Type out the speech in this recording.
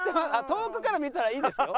遠くから見たらいいですよ。